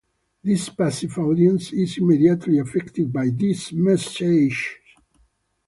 This passive audience is immediately affected by these messages.